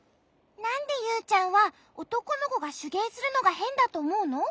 なんでユウちゃんはおとこのこがしゅげいするのがへんだとおもうの？